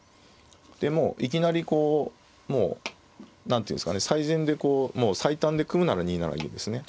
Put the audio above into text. でもういきなりこうもう何ていうんですかね最善でこう最短で組むなら２七銀ですね。